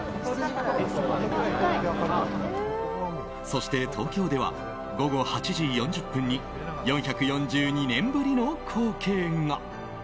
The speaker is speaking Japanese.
そして東京では午後８時４０分に４４２年ぶりの光景が。